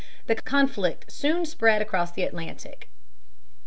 The conflict soon spread across the Atlantic.